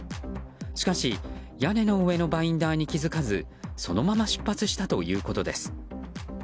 しかし、屋根の上のバインダーに気づかずそのまま出発したということです。